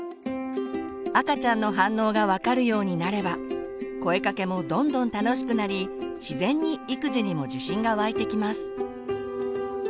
赤ちゃんの反応が分かるようになれば声かけもどんどん楽しくなり自然に育児にも自信が湧いてきます。